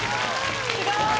すごい！